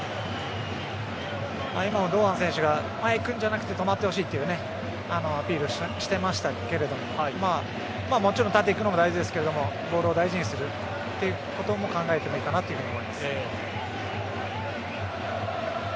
今、堂安選手が前に行くんじゃなくて止まってほしいというアピールをしていましたがもちろん縦に行くのも大事ですがボールを大事にするということも考えてもいいかなと思います。